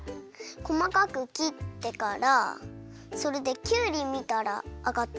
こまかく切ってからそれでキュウリみたらわかった。